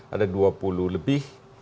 ada dua puluh lebih